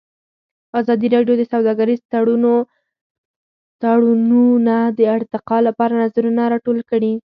ازادي راډیو د سوداګریز تړونونه د ارتقا لپاره نظرونه راټول کړي.